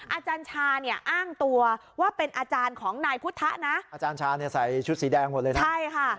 อาจารย์ชาเนี่ยอ้างตัวว่าเป็นอาจารย์ของนายพุทธะนะอาจารย์ชาเนี่ยใส่ชุดสีแดงหมดเลยนะใช่ค่ะ